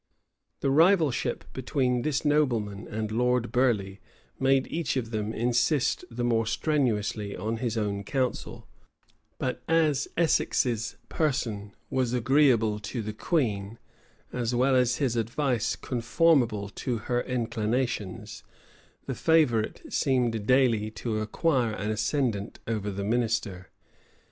The rivalship between this nobleman and Lord Burleigh made each of them insist the more strenuously on his own counsel; but as Essex's person was agreeable to the queen, as well as his advice conformable to her inclinations, the favorite seemed daily to acquire an ascendant over the minister.